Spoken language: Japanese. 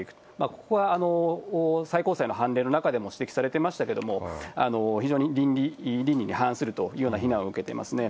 ここは最高裁の判例の中でも指摘されてましたけども、非常に倫理に反するというような非難を受けていますね。